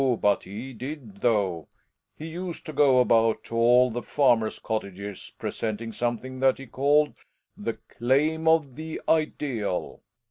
but he did, though; he used to go about to all the farmers' cottages presenting something that he called " the claim of the ideal.